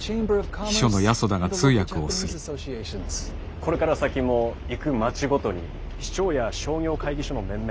これから先も行く街ごとに市長や商業会議所の面々